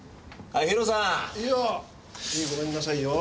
はいごめんなさいよ。